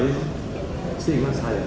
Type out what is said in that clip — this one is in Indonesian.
ini terkait dengan percayaan hari ini apa